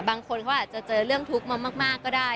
บางคนเขาอาจจะเจอเรื่องทุกข์มามากก็ได้